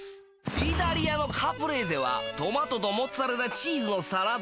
イタリアのカプレーゼはトマトとモッツァレラチーズのサラダ。